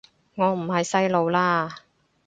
我唔係細路喇